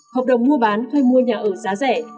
hợp đồng mua bán thuê mua nhà ở giá rẻ